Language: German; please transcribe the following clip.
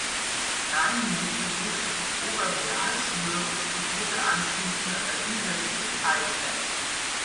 Reinmuth besuchte die Oberrealschule und studierte anschließend an der Universität Heidelberg.